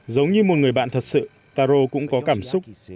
giống như một người bạn thật sự taro cũng có cảm xúc